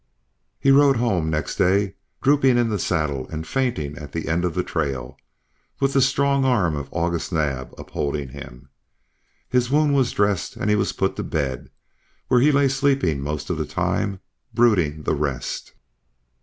He rode home next day, drooping in the saddle and fainting at the end of the trail, with the strong arm of August Naab upholding him. His wound was dressed and he was put to bed, where he lay sleeping most of the time, brooding the rest.